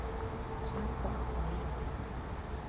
Li-sha pua’ polena.